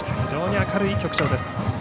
非常に明るい曲調です。